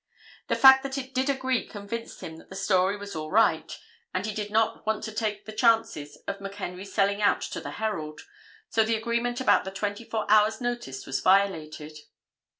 The fact that it did agree convinced him that the story was all right and he did not want to take the chances of McHenry selling out to the Herald, so the agreement about the twenty four hours notice was violated.